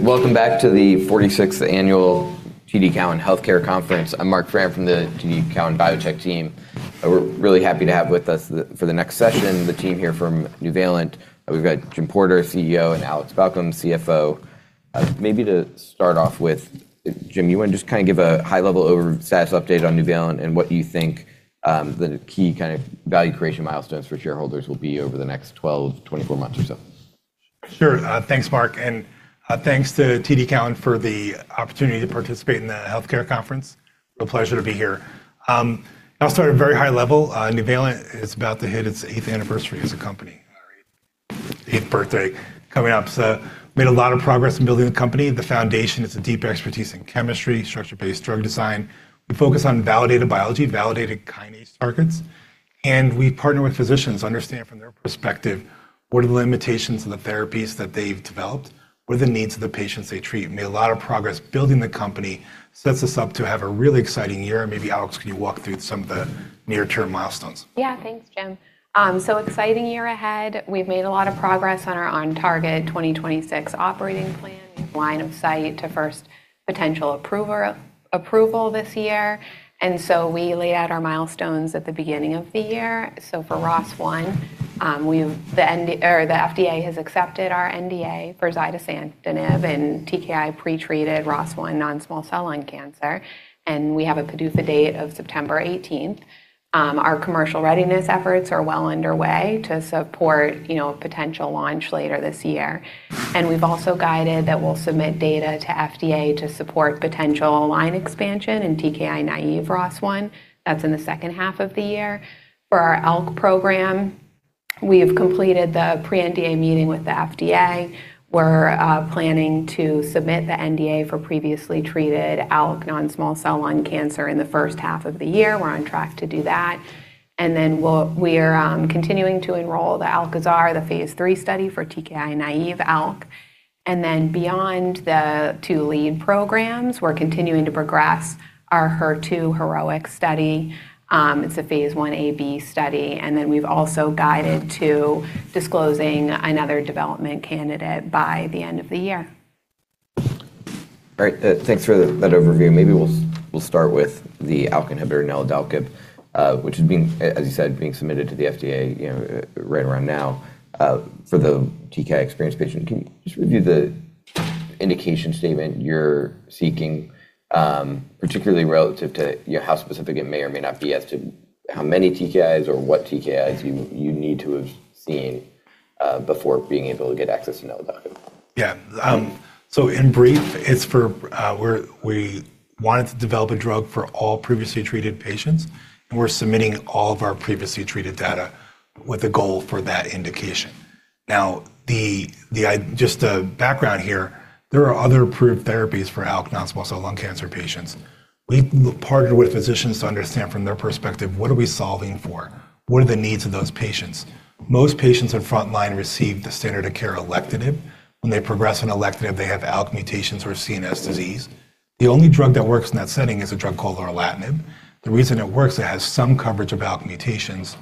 Welcome back to the 46th annual TD Cowen healthcare conference. I'm Marc Frahm from the TD Cowen Biotech team. We're really happy to have with us the, for the next session, the team here from Nuvalent. We've got Jim Porter, CEO, and Alex Balcom, CFO. Maybe to start off with, Jim, you want to just kind of give a high-level status update on Nuvalent, and what you think, the key kind of value creation milestones for shareholders will be over the next 12-24 months or so? Sure. Thanks, Marc, and thanks to TD Cowen for the opportunity to participate in the Healthcare Conference. A pleasure to be here. I'll start at a very high level. Nuvalent is about to hit its eighth anniversary as a company. Eighth birthday coming up, made a lot of progress in building the company. The foundation, it's a deep expertise in chemistry, structure-based drug design. We focus on validated biology, validated kinase targets, and we partner with physicians to understand from their perspective what are the limitations of the therapies that they've developed, what are the needs of the patients they treat. Made a lot of progress building the company, sets us up to have a really exciting year, and maybe Alex, can you walk through some of the near-term milestones? Yeah. Thanks, Jim. Exciting year ahead. We've made a lot of progress on our on-target 2026 operating plan, line of sight to first potential approval this year. We laid out our milestones at the beginning of the year. For ROS1, the FDA has accepted our NDA for zidesamtinib in TKI-pretreated ROS1 non-small cell lung cancer, and we have a PDUFA date of September 18th. Our commercial readiness efforts are well underway to support, you know, a potential launch later this year. We've also guided that we'll submit data to FDA to support potential line expansion in TKI-naive ROS1. That's in the second half of the year. For our ALK program, we have completed the pre-NDA meeting with the FDA. We're planning to submit the NDA for previously treated ALK non-small cell lung cancer in the first half of the year. We're on track to do that. We're continuing to enroll the ALKAZAR, the phase III study for TKI-naive ALK. Beyond the two lead programs, we're continuing to progress our HER2 HEROEX-1 study. It's a phase I-A/I-B study. We've also guided to disclosing another development candidate by the end of the year. All right. Thanks for that overview. Maybe we'll start with the ALK inhibitor, Neladalkib, which is being, as you said, being submitted to the FDA, you know, right around now, for the TKI-experienced patient. Can you just review the indication statement you're seeking, particularly relative to, you know, how specific it may or may not be as to how many TKIs or what TKIs you need to have seen before being able to get access to Neladalkib? In brief, it's for, we wanted to develop a drug for all previously treated patients, and we're submitting all of our previously treated data with a goal for that indication. Just a background here, there are other approved therapies for ALK non-small cell lung cancer patients. We've partnered with physicians to understand from their perspective, what are we solving for? What are the needs of those patients? Most patients in front line receive the standard of care alectinib. When they progress on alectinib, they have ALK mutations or CNS disease. The only drug that works in that setting is a drug called lorlatinib. The reason it works, it has some coverage of ALK mutations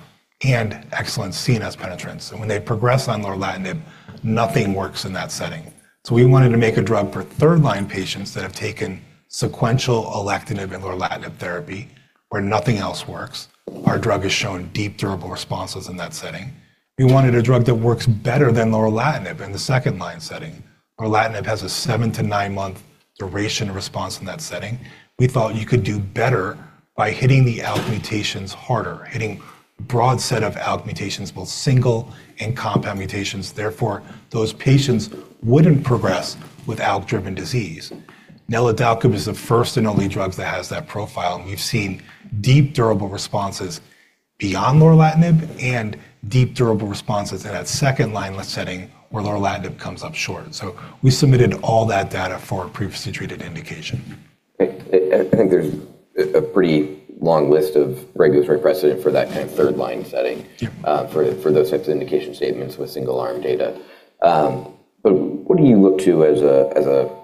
and excellent CNS penetrance. When they progress on lorlatinib, nothing works in that setting. We wanted to make a drug for third-line patients that have taken sequential alectinib and lorlatinib therapy where nothing else works. Our drug has shown deep durable responses in that setting. We wanted a drug that works better than lorlatinib in the second-line setting. Lorlatinib has a seven to nine month duration of response in that setting. We thought you could do better by hitting the ALK mutations harder, hitting broad set of ALK mutations, both single and compound mutations, therefore those patients wouldn't progress with ALK-driven disease. Neladalkib is the first and only drug that has that profile, and we've seen deep durable responses beyond lorlatinib and deep durable responses in that second-line setting where lorlatinib comes up short. We submitted all that data for a previously treated indication. I think there's a pretty long list of regulatory precedent for that kind of third-line setting. Yeah... for those types of indication statements with single arm data. What do you look to as a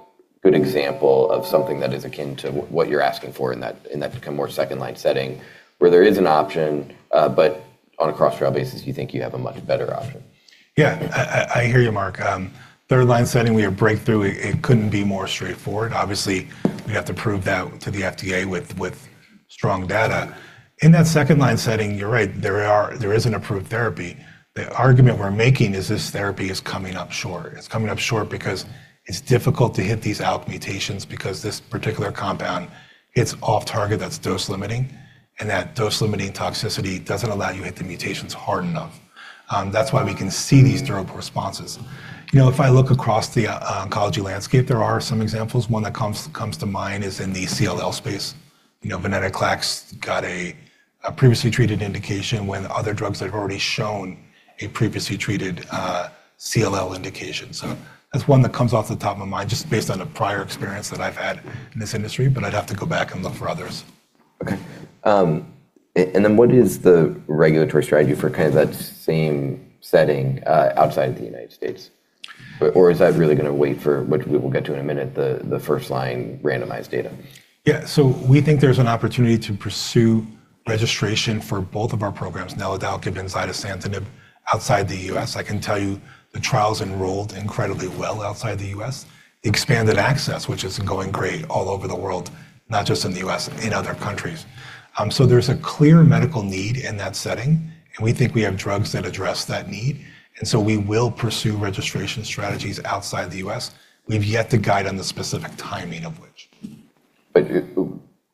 good example of something that is akin to what you're asking for in that more second-line setting where there is an option, on a cross-trial basis, you think you have a much better option? I hear you, Marc. Third-line setting we have Breakthrough. It couldn't be more straightforward. Obviously, we have to prove that to the FDA with strong data. In that second-line setting, you're right, there is an approved therapy. The argument we're making is this therapy is coming up short. It's coming up short because it's difficult to hit these ALK mutations because this particular compound hits off target that's dose limiting, and that dose-limiting toxicity doesn't allow you to hit the mutations hard enough. That's why we can see these durable responses. You know, if I look across the oncology landscape, there are some examples. One that comes to mind is in the CLL space. You know, Venetoclax got a previously treated indication when other drugs had already shown a previously treated CLL indication. That's one that comes off the top of my mind just based on the prior experience that I've had in this industry, but I'd have to go back and look for others. Okay. What is the regulatory strategy for kind of that same setting, outside the United States? Is that really gonna wait for what we will get to in a minute, the first-line randomized data? Yeah. We think there's an opportunity to pursue registration for both of our programs, Neladalkib and zidesamtinib outside the U.S. I can tell you the trials enrolled incredibly well outside the U.S. Expanded access, which is going great all over the world, not just in the U.S., in other countries. There's a clear medical need in that setting, and we think we have drugs that address that need, and we will pursue registration strategies outside the U.S. We've yet to guide on the specific timing of which.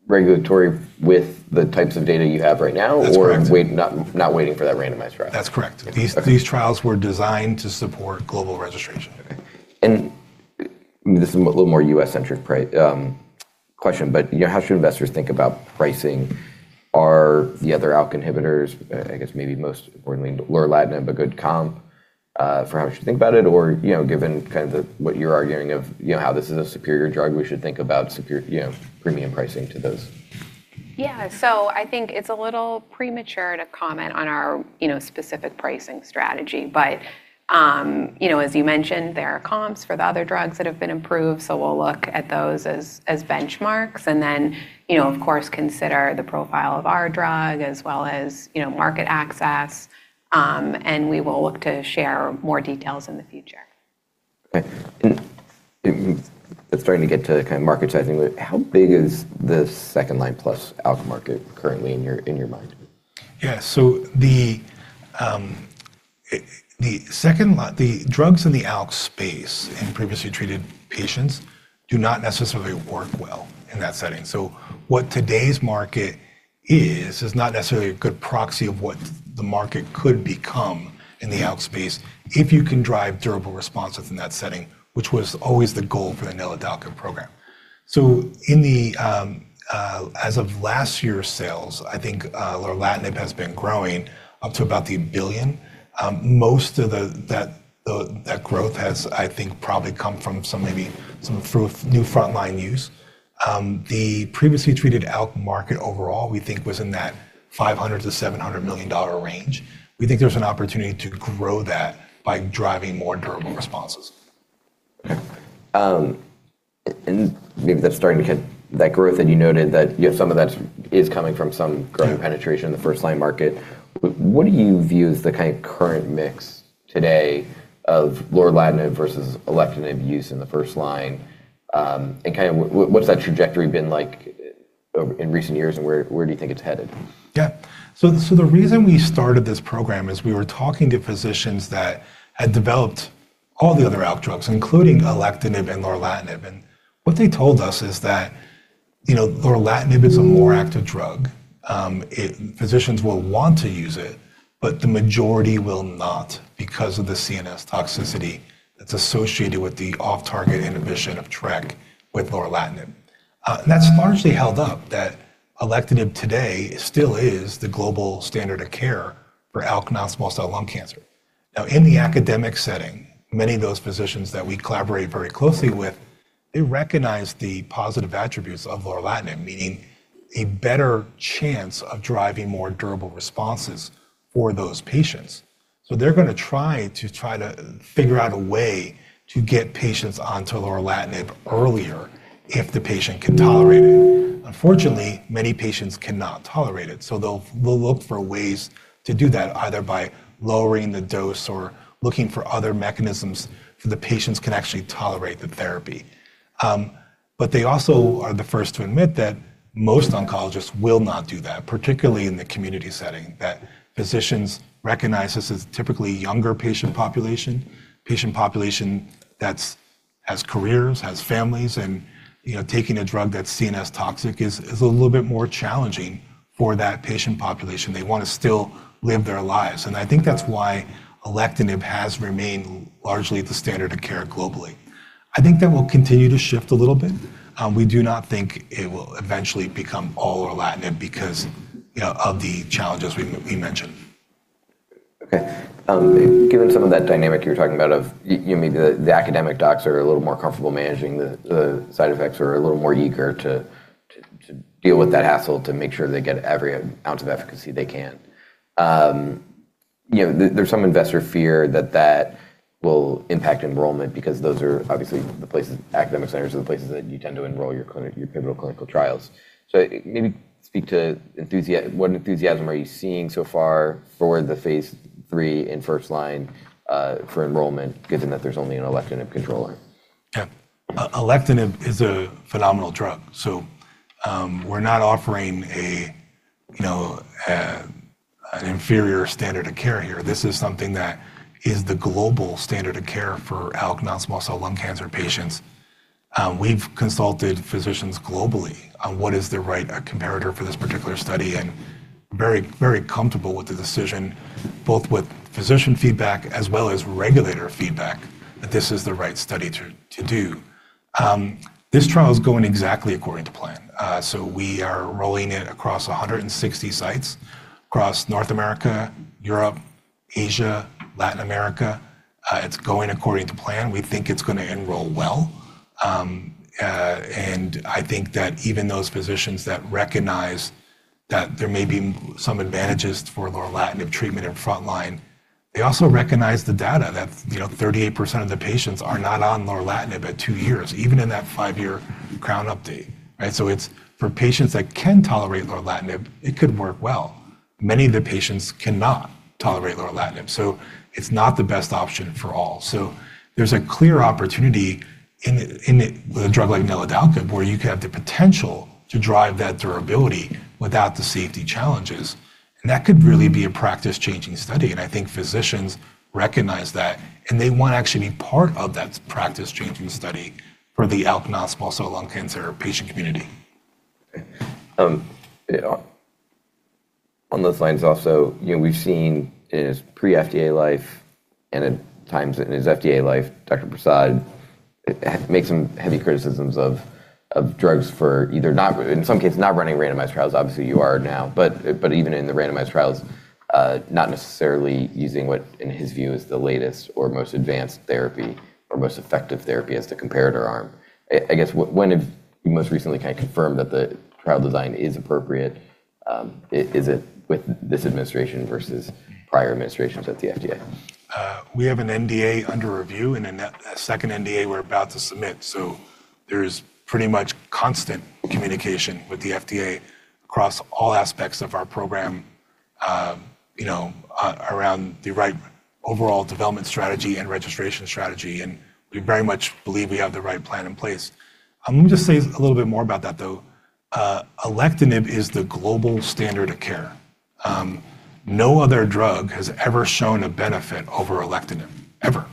Regulatory with the types of data you have right now. That's correct. Not waiting for that randomized trial? That's correct. These trials were designed to support global registration. This is a little more U.S.-centric question, but, you know, how should investors think about pricing? Are the other ALK inhibitors, I guess maybe most importantly lorlatinib a good comp for how we should think about it? You know, given kind of what you're arguing of, you know, how this is a superior drug we should think about superior, you know, premium pricing to those. I think it's a little premature to comment on our, you know, specific pricing strategy. You know, as you mentioned, there are comps for the other drugs that have been approved, so we'll look at those as benchmarks. Then, you know, of course, consider the profile of our drug as well as, you know, market access, and we will look to share more details in the future. Okay. It's starting to get to the kind of market sizing. How big is the second-line plus ALK market currently in your, in your mind? The drugs in the ALK space in previously treated patients do not necessarily work well in that setting. What today's market is not necessarily a good proxy of what the market could become in the ALK space if you can drive durable responses in that setting, which was always the goal for the Neladalkib program. As of last year's sales, I think, lorlatinib has been growing up to about $1 billion. Most of that growth has, I think, probably come from some maybe some through new front line use. The previously treated ALK market overall, we think was in that $500 million-$700 million range. We think there's an opportunity to grow that by driving more durable responses. Okay. Maybe that's starting to hit that growth, and you noted that you have some of that is coming from some growth penetration in the first line market. What do you view as the kind of current mix today of lorlatinib versus alectinib use in the first line? Kind of what's that trajectory been like in recent years and where do you think it's headed? Yeah. The reason we started this program is we were talking to physicians that had developed all the other ALK drugs, including alectinib and lorlatinib. What they told us is that, you know, lorlatinib is a more active drug. Physicians will want to use it, but the majority will not because of the CNS toxicity that's associated with the off-target inhibition of TRK with lorlatinib. That's largely held up that alectinib today still is the global standard of care for ALK non-small cell lung cancer. Now, in the academic setting, many of those physicians that we collaborate very closely with, they recognize the positive attributes of lorlatinib, meaning a better chance of driving more durable responses for those patients. They're gonna try to figure out a way to get patients onto lorlatinib earlier if the patient can tolerate it. Unfortunately, many patients cannot tolerate it, we'll look for ways to do that, either by lowering the dose or looking for other mechanisms so the patients can actually tolerate the therapy. They also are the first to admit that most oncologists will not do that, particularly in the community setting, that physicians recognize this as typically younger patient population that's has careers, has families, and, you know, taking a drug that's CNS toxic is a little bit more challenging for that patient population. They wanna still live their lives. I think that's why alectinib has remained largely the standard of care globally. I think that will continue to shift a little bit. We do not think it will eventually become all lorlatinib because, you know, of the challenges we mentioned. Okay. Given some of that dynamic you're talking about of you mean the academic docs are a little more comfortable managing the side effects or are a little more eager to deal with that hassle to make sure they get every ounce of efficacy they can. You know, there's some investor fear that that will impact enrollment because those are obviously academic centers are the places that you tend to enroll your pivotal clinical trials. Maybe speak to what enthusiasm are you seeing so far for the phase 3 in first line for enrollment, given that there's only an alectinib controller? Yeah. Alectinib is a phenomenal drug. We're not offering a, you know, an inferior standard of care here. This is something that is the global standard of care for ALK non-small cell lung cancer patients. We've consulted physicians globally on what is the right comparator for this particular study and very, very comfortable with the decision, both with physician feedback as well as regulator feedback, that this is the right study to do. This trial is going exactly according to plan. We are rolling it across 160 sites across North America, Europe, Asia, Latin America. It's going according to plan. We think it's gonna enroll well. I think that even those physicians that recognize that there may be some advantages for lorlatinib treatment in front line. They also recognize the data that, you know, 38% of the patients are not on lorlatinib at two years, even in that five-year CROWN update, right? It's for patients that can tolerate lorlatinib, it could work well. Many of the patients cannot tolerate lorlatinib, so it's not the best option for all. There's a clear opportunity in a, with a drug like Neladalkib where you could have the potential to drive that durability without the safety challenges. That could really be a practice-changing study, and I think physicians recognize that, and they want to actually be part of that practice-changing study for the ALK-positive non-small cell lung cancer patient community. Okay. You know, on those lines also, you know, we've seen in his pre-FDA life and at times in his FDA life, Vinay Prasad make some heavy criticisms of drugs for either in some cases, not running randomized trials. Obviously, you are now. Even in the randomized trials, not necessarily using what in his view is the latest or most advanced therapy or most effective therapy as the comparator arm. I guess when have you most recently kind of confirmed that the trial design is appropriate, is it with this administration versus prior administrations at the FDA? We have an NDA under review and a second NDA we're about to submit. There is pretty much constant communication with the FDA across all aspects of our program, you know, around the right overall development strategy and registration strategy. We very much believe we have the right plan in place. Let me just say a little bit more about that, though. Alectinib is the global standard of care. No other drug has ever shown a benefit over alectinib, ever.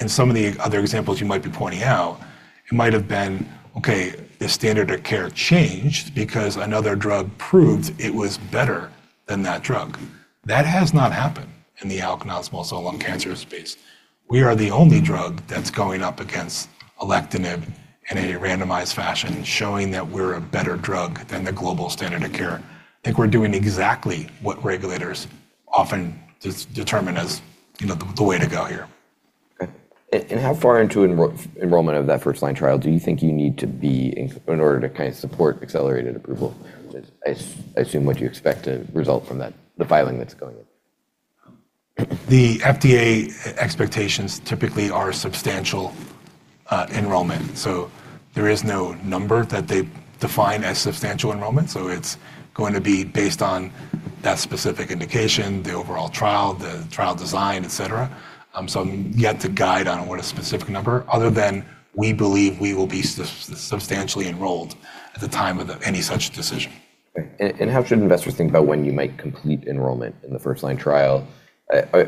In some of the other examples you might be pointing out, it might have been, okay, the standard of care changed because another drug proved it was better than that drug. That has not happened in the ALK non-small cell lung cancer space. We are the only drug that's going up against alectinib in a randomized fashion, showing that we're a better drug than the global standard of care. I think we're doing exactly what regulators often determine as, you know, the way to go here. Okay. How far into enrollment of that first-line trial do you think you need to be in order to kind of support accelerated approval? I assume what you expect to result from that, the filing that's going on. The FDA expectations typically are substantial enrollment. There is no number that they define as substantial enrollment. It's going to be based on that specific indication, the overall trial, the trial design, etcetera. I'm yet to guide on what a specific number other than we believe we will be substantially enrolled at the time of the any such decision. Okay. How should investors think about when you might complete enrollment in the first-line trial?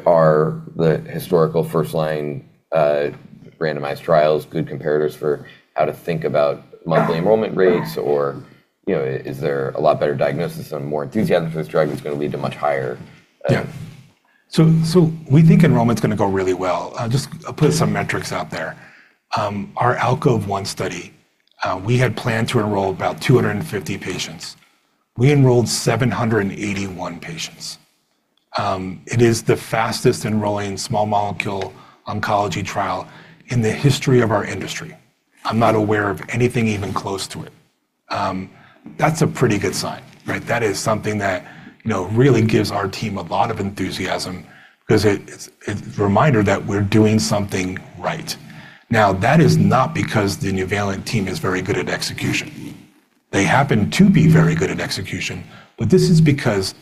Are the historical first-line randomized trials good comparators for how to think about monthly enrollment rates? You know, is there a lot better diagnosis and more enthusiasm for this drug that's going to lead to much higher? We think enrollment's going to go really well. I'll put some metrics out there. Our ALKOVE-1 study, we had planned to enroll about 250 patients. We enrolled 781 patients. It is the fastest enrolling small molecule oncology trial in the history of our industry. I'm not aware of anything even close to it. That's a pretty good sign, right? That is something that, you know, really gives our team a lot of enthusiasm because it's a reminder that we're doing something right. That is not because the Nuvalent team is very good at execution. They happen to be very good at execution, this is because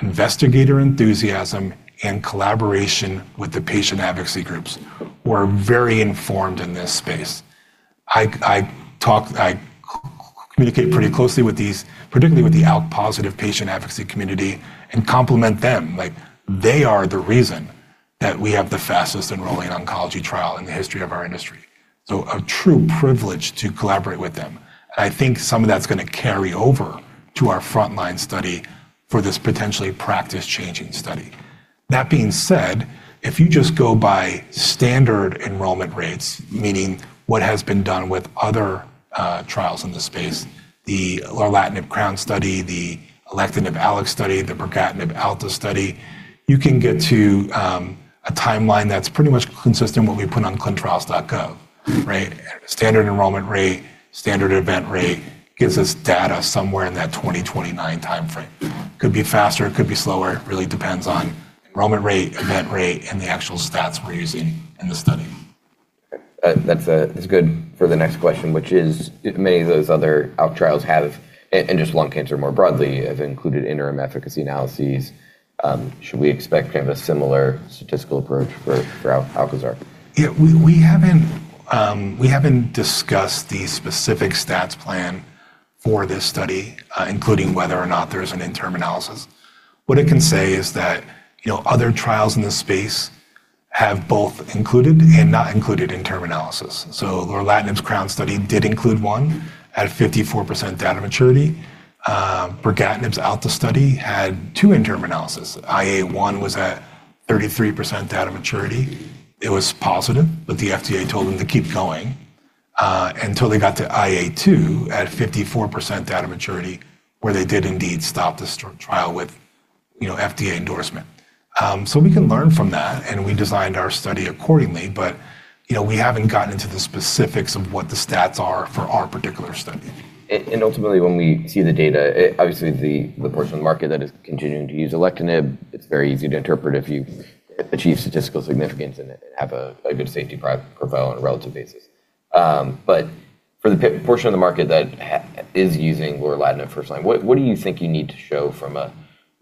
investigator enthusiasm and collaboration with the patient advocacy groups were very informed in this space. I communicate pretty closely with these, particularly with the ALK-positive patient advocacy community and compliment them. They are the reason that we have the fastest enrolling oncology trial in the history of our industry. A true privilege to collaborate with them. I think some of that's going to carry over to our frontline study for this potentially practice-changing study. That being said, if you just go by standard enrollment rates, meaning what has been done with other trials in the space, the lorlatinib CROWN study, the alectinib ALEX study, the brigatinib ALTA study, you can get to a timeline that's pretty much consistent what we put on ClinicalTrials.gov, right. Standard enrollment rate, standard event rate gives us data somewhere in that 2029 timeframe. Could be faster, could be slower. It really depends on enrollment rate, event rate, and the actual stats we're using in the study. That's, that's good for the next question, which is many of those other ALK trials have, and just lung cancer more broadly, have included interim efficacy analyses. Should we expect kind of a similar statistical approach for ALKAZAR? Yeah. We haven't discussed the specific stats plan for this study, including whether or not there is an interim analysis. What I can say is that, you know, other trials in this space have both included and not included interim analysis. Lorlatinib's CROWN study did include one at 54% data maturity. Brigatinib's ALTA study had two interim analysis. IA 1 was at 33% data maturity. It was positive, but the FDA told them to keep going, until they got to IA 2 at 54% data maturity, where they did indeed stop the trial with, you know, FDA endorsement. we can learn from that, and we designed our study accordingly. You know, we haven't gotten into the specifics of what the stats are for our particular study. Ultimately, when we see the data, obviously the portion of the market that is continuing to use alectinib, it's very easy to interpret if you achieve statistical significance in it and have a good safety profile on a relative basis. For the portion of the market that is using lorlatinib first line, what do you think you need to show from a,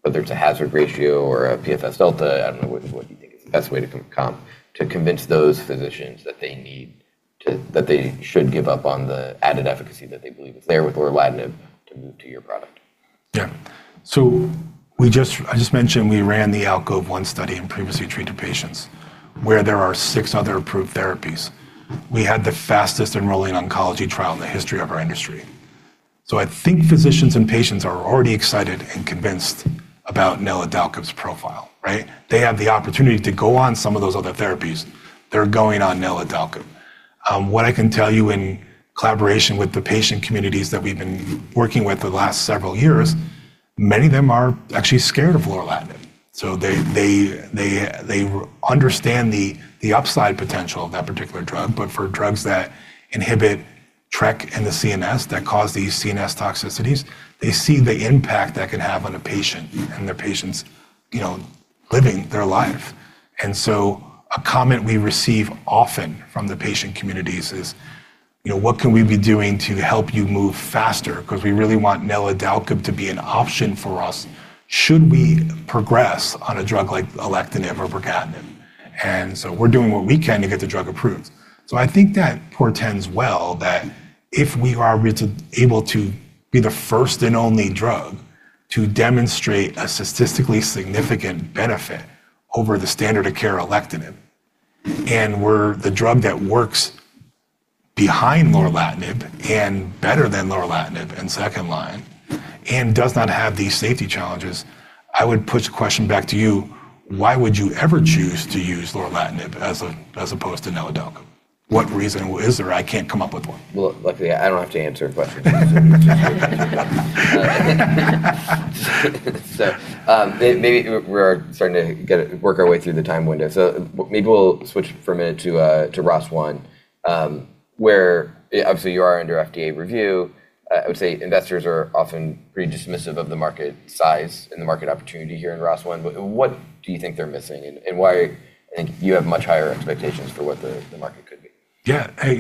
whether it's a hazard ratio or a PFS delta, I don't know, what do you think is the best way to come to convince those physicians that they should give up on the added efficacy that they believe is there with lorlatinib to move to your product? I just mentioned we ran the ALKOVE-1 study in previously treated patients where there are six other approved therapies. We had the fastest enrolling oncology trial in the history of our industry. I think physicians and patients are already excited and convinced about neladalkib's profile, right? They have the opportunity to go on some of those other therapies, they're going on neladalkib. What I can tell you in collaboration with the patient communities that we've been working with the last several years, many of them are actually scared of lorlatinib. They understand the upside potential of that particular drug, but for drugs that inhibit TRK in the CNS that cause these CNS toxicities, they see the impact that can have on a patient and their patients, you know, living their life. A comment we receive often from the patient communities is, you know, what can we be doing to help you move faster? Because we really want neladalkib to be an option for us should we progress on a drug like alectinib or brigatinib. We're doing what we can to get the drug approved. I think that portends well that if we are able to be the first and only drug to demonstrate a statistically significant benefit over the standard of care alectinib, and we're the drug that works behind lorlatinib and better than lorlatinib in second line and does not have these safety challenges, I would put the question back to you, why would you ever choose to use lorlatinib as a, as opposed to neladalkib? What reason is there? I can't come up with one. Well, luckily, I don't have to answer questions. maybe we're starting to work our way through the time window. maybe we'll switch for a minute to ROS1, where obviously you are under FDA review. I would say investors are often pretty dismissive of the market size and the market opportunity here in ROS1. What do you think they're missing and why you think you have much higher expectations for what the market could be? You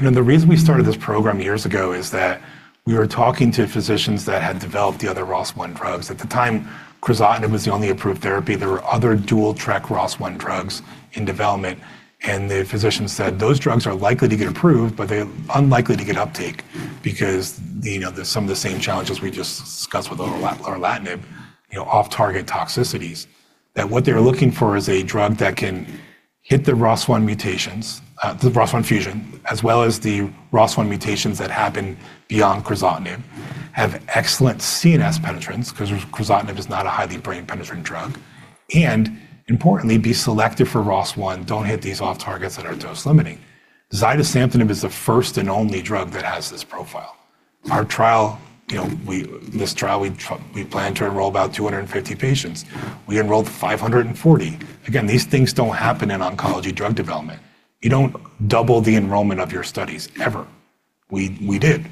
know, the reason we started this program years ago is that we were talking to physicians that had developed the other ROS1 drugs. At the time, crizotinib was the only approved therapy. There were other dual TRK ROS1 drugs in development. The physicians said those drugs are likely to get approved, they're unlikely to get uptake because, you know, there's some of the same challenges we just discussed with lorlatinib, you know, off-target toxicities. What they're looking for is a drug that can hit the ROS1 mutations, the ROS1 fusion, as well as the ROS1 mutations that happen beyond crizotinib, have excellent CNS penetrance 'cause crizotinib is not a highly brain-penetrant drug. Importantly, be selective for ROS1, don't hit these off targets that are dose-limiting. Zidesamtinib is the first and only drug that has this profile. Our trial, you know, This trial, we planned to enroll about 250 patients. We enrolled 540. Again, these things don't happen in oncology drug development. You don't double the enrollment of your studies ever. We, we did.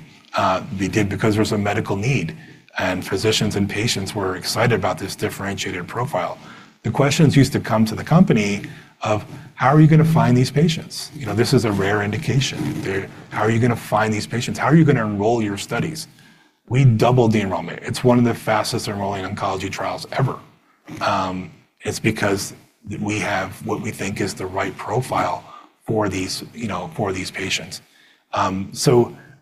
We did because there was a medical need, and physicians and patients were excited about this differentiated profile. The questions used to come to the company of, "How are you going to find these patients?" You know, this is a rare indication. "How are you going to find these patients? How are you going to enroll your studies?" We doubled the enrollment. It's one of the fastest enrolling oncology trials ever. It's because we have what we think is the right profile for these, you know, for these patients.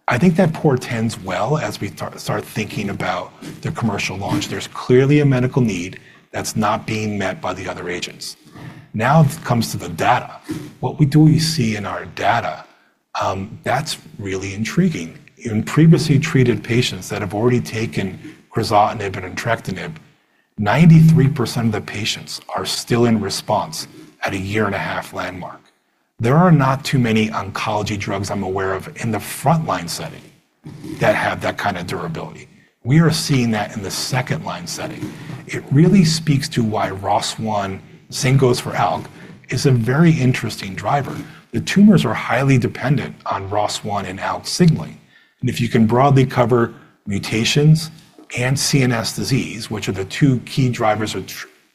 I think that portends well as we start thinking about the commercial launch. There's clearly a medical need that's not being met by the other agents. It comes to the data. What we do see in our data that's really intriguing. In previously treated patients that have already taken crizotinib and entrectinib, 93% of the patients are still in response at a year-and-a-half landmark. There are not too many oncology drugs I'm aware of in the frontline setting that have that kind of durability. We are seeing that in the second line setting. It really speaks to why ROS1, same goes for ALK, is a very interesting driver. The tumors are highly dependent on ROS1 and ALK signaling. If you can broadly cover mutations and CNS disease, which are the two key drivers of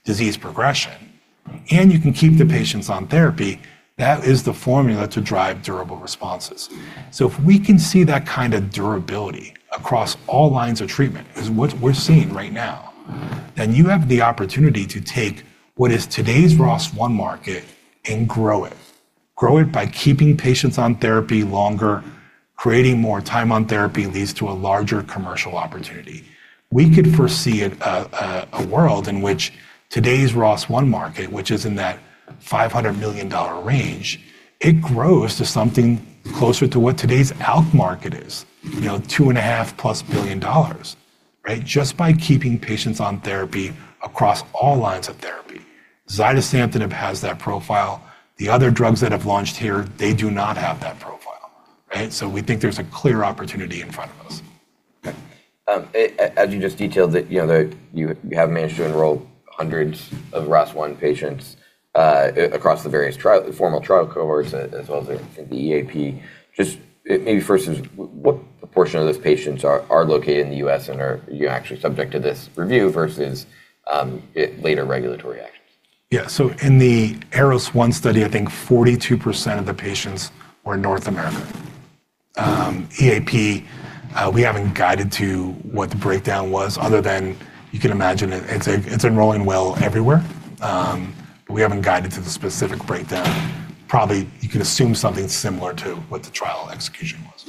disease progression, and you can keep the patients on therapy, that is the formula to drive durable responses. If we can see that kind of durability across all lines of treatment is what we're seeing right now, then you have the opportunity to take what is today's ROS1 market and grow it. Grow it by keeping patients on therapy longer, creating more time on therapy leads to a larger commercial opportunity. We could foresee a world in which today's ROS1 market, which is in that $500 million range, it grows to something closer to what today's ALK market is, you know, $2.5+ billion, right? Just by keeping patients on therapy across all lines of therapy. zidesamtinib has that profile. The other drugs that have launched here, they do not have that profile. Right? We think there's a clear opportunity in front of us. Okay. As you just detailed that, you know, that you have managed to enroll hundreds of ROS1 patients, across the various formal trial cohorts as well as the EAP. Just, maybe first is what proportion of those patients are located in the U.S. and are actually subject to this review versus, later regulatory action? In the ARROS-1 study, I think 42% of the patients were in North America. EAP, we haven't guided to what the breakdown was other than you can imagine it. It's, it's enrolling well everywhere. We haven't guided to the specific breakdown. Probably you can assume something similar to what the trial execution was.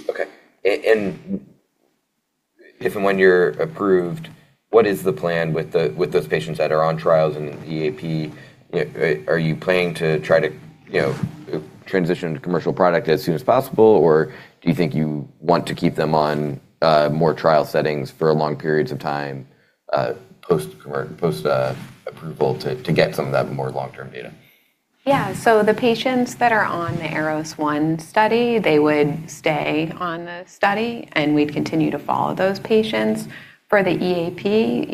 If and when you're approved, what is the plan with those patients that are on trials in EAP? Are you planning to try to, you know, transition to commercial product as soon as possible, or do you think you want to keep them on more trial settings for long periods of time post approval to get some of that more long-term data? The patients that are on the ARROS-1 study, they would stay on the study, and we'd continue to follow those patients. For the EAP,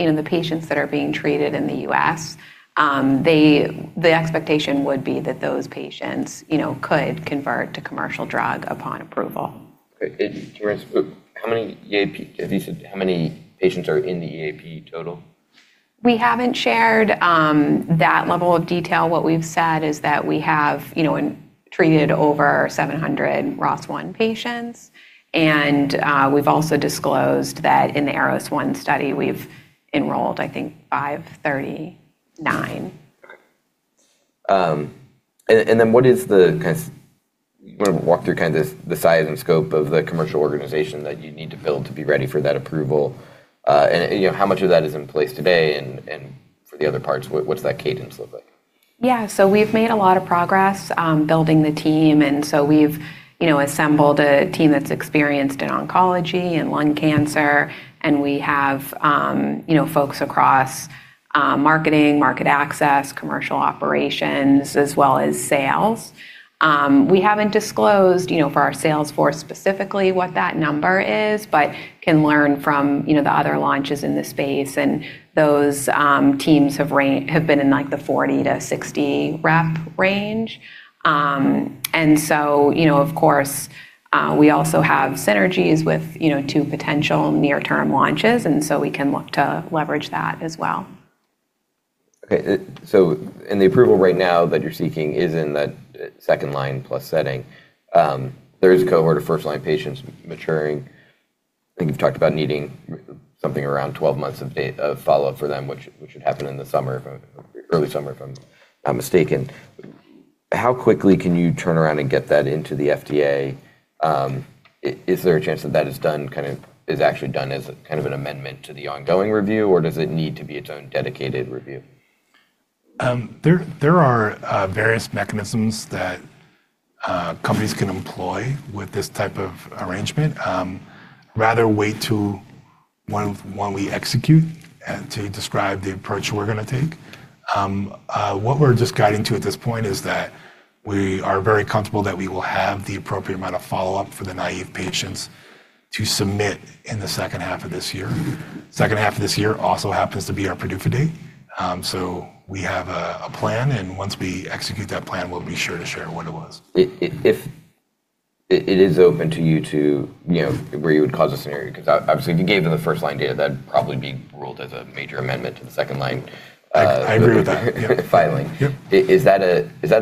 you know, the patients that are being treated in the U.S., the expectation would be that those patients, you know, could convert to commercial drug upon approval. Okay. How many patients are in the EAP total? We haven't shared, that level of detail. What we've said is that we have, you know, treated over 700 ROS1 patients, and we've also disclosed that in the ARROS-1 study, we've enrolled, I think, 539. You want to walk through kind of the size and scope of the commercial organization that you need to build to be ready for that approval? You know, how much of that is in place today, and for the other parts, what does that cadence look like? Yeah. We've made a lot of progress building the team, we've, you know, assembled a team that's experienced in oncology and lung cancer, and we have, you know, folks across marketing, market access, commercial operations, as well as sales. We haven't disclosed, you know, for our sales force specifically what that number is, but can learn from, you know, the other launches in this space. Those teams have been in, like, the 40-60 rep range. You know, of course, we also have synergies with, you know, two potential near-term launches, we can look to leverage that as well. The approval right now that you're seeking is in that second-line plus setting. There is a cohort of first-line patients maturing. I think you've talked about needing something around 12 months of follow-up for them, which should happen in the summer, early summer, if I'm not mistaken. How quickly can you turn around and get that into the FDA? Is there a chance that that is done, is actually done as an amendment to the ongoing review, or does it need to be its own dedicated review? There are various mechanisms that companies can employ with this type of arrangement. Rather wait to when we execute and to describe the approach we're gonna take. What we're just guiding to at this point is that we are very comfortable that we will have the appropriate amount of follow-up for the naive patients to submit in the second half of this year. Second half of this year also happens to be our PDUFA date. We have a plan, and once we execute that plan, we'll be sure to share what it was. If it is open to you to, you know, where you would cause a scenario, 'cause obviously, if you gave them the first-line data, that'd probably be ruled as a major amendment to the second line. I agree with that. Yep.... filing. Yep. Is that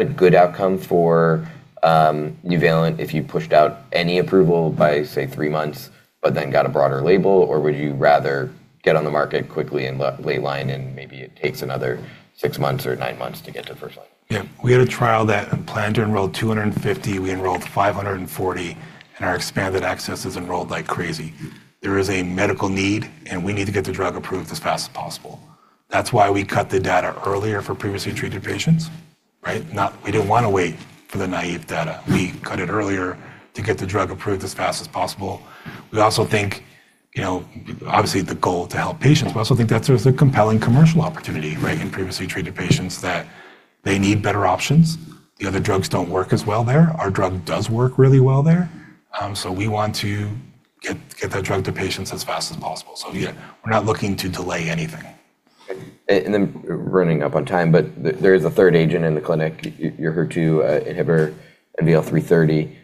a good outcome for Nuvalent if you pushed out any approval by, say, three months but then got a broader label, or would you rather get on the market quickly and lay line and maybe it takes another six months or nine months to get to first line? Yeah. We had a trial that planned to enroll 250. We enrolled 540, and our expanded access is enrolled like crazy. There is a medical need, and we need to get the drug approved as fast as possible. That's why we cut the data earlier for previously treated patients, right? We didn't want to wait for the naive data. We cut it earlier to get the drug approved as fast as possible. We also think, you know, obviously the goal to help patients. We also think that there's a compelling commercial opportunity, right, in previously treated patients that they need better options. The other drugs don't work as well there. Our drug does work really well there. We want to get that drug to patients as fast as possible. Yeah, we're not looking to delay anything. We're running up on time, but there is a third agent in the clinic, your HER2 inhibitor NVL-330.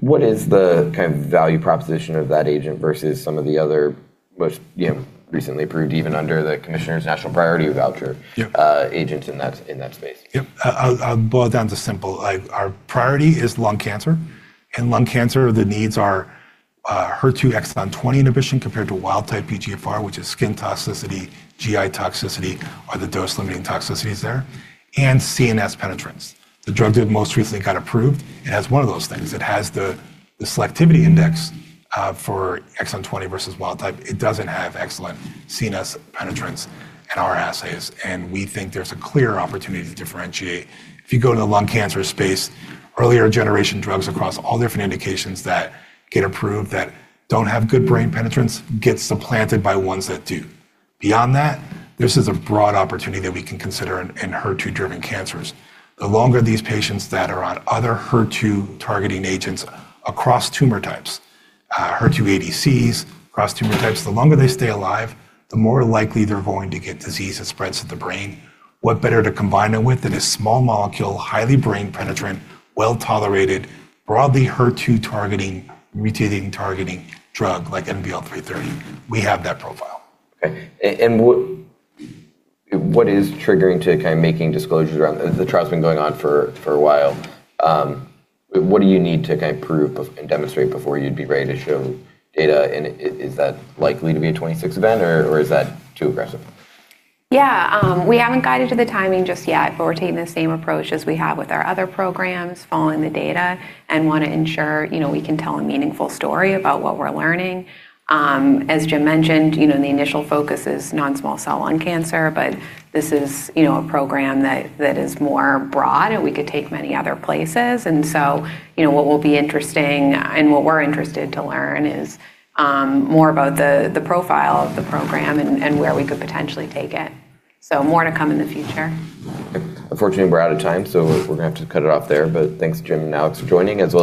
What is the kind of value proposition of that agent versus some of the other most, you know, recently approved even under the commissioner's Priority Review Voucher? Yeah... agent in that space? Yep. I'll boil it down to simple. Like, our priority is lung cancer. In lung cancer, the needs are HER2 exon 20 inhibition compared to wild-type EGFR, which is skin toxicity, GI toxicity are the dose-limiting toxicities there, and CNS penetrance. The drug that most recently got approved, it has one of those things. It has the selectivity index for exon 20 versus wild type. It doesn't have excellent CNS penetrance in our assays, and we think there's a clear opportunity to differentiate. If you go to the lung cancer space, earlier generation drugs across all different indications that get approved that don't have good brain penetrance get supplanted by ones that do. Beyond that, this is a broad opportunity that we can consider in HER2-driven cancers. The longer these patients that are on other HER2 targeting agents across tumor types, HER2 ADCs across tumor types, the longer they stay alive, the more likely they're going to get disease that spreads to the brain. What better to combine it with than a small molecule, highly brain penetrant, well-tolerated, broadly HER2 targeting, mutating targeting drug like NVL-330? We have that profile. Okay. What is triggering to kind of making disclosures around... The trial's been going on for a while. What do you need to kind of prove and demonstrate before you'd be ready to show data, and is that likely to be a 26 event or is that too aggressive? Yeah. We haven't guided to the timing just yet, but we're taking the same approach as we have with our other programs, following the data and wanna ensure, you know, we can tell a meaningful story about what we're learning. As Jim mentioned, you know, the initial focus is non-small cell lung cancer, but this is, you know, a program that is more broad and we could take many other places. What will be interesting and what we're interested to learn is, more about the profile of the program and where we could potentially take it. More to come in the future. Unfortunately, we're out of time, we're gonna have to cut it off there. Thanks, Jim and Alex, for joining, as well as.